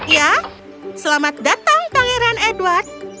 ya selamat datang pangeran edward